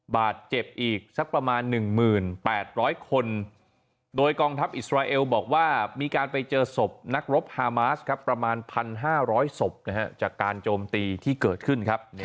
บาดเจ็บอีกสักประมาณ๑๘๐๐คนโดยกองทัพอิสราเอลบอกว่ามีการไปเจอศพนักรบฮามาสครับประมาณ๑๕๐๐ศพจากการโจมตีที่เกิดขึ้นครับ